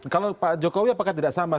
kalau pak jokowi apakah tidak sama